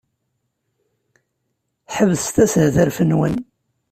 Ḥebset ashetref-nwen!